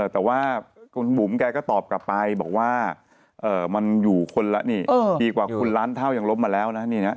แต่ว่าคุณบุ๋มแกก็ตอบกลับไปบอกว่ามันอยู่คนละนี่ดีกว่าคุณล้านเท่ายังล้มมาแล้วนะ